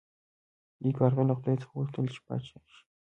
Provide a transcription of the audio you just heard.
یو کارغه له خدای څخه وغوښتل چې پاچا شي.